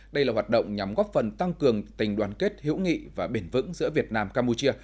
đây là hoạt động nhắm góp phần tăng cường tình đoàn kết hữu nghị và bền vững giữa việt nam campuchia